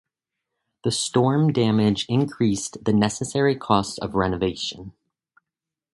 The storm damage increased the necessary costs of renovation.